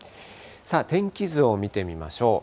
天気図を見てみましょう。